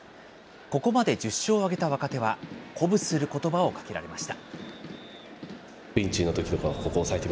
ここまで１０勝を挙げた若手は、鼓舞することばをかけられました。